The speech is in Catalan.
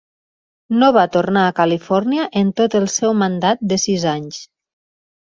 No va tornar a Califòrnia en tot el seu mandat de sis anys.